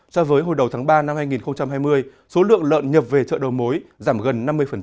so với hồi đầu tháng ba năm hai nghìn hai mươi số lượng lợn nhập về chợ đầu mối giảm gần năm mươi